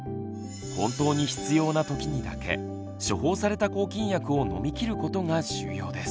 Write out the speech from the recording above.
本当に必要な時にだけ処方された抗菌薬を飲み切ることが重要です。